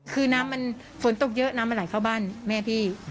คือน้ำมันฝนตกเยอะน้ำมันไหลเข้าบ้านแม่พี่